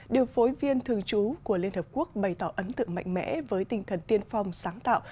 điều phối viên thường trú của liên hợp quốc bày tỏ ấn tượng mạnh mẽ với tinh thần tiên phong sáng tạo